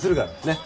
ねっ。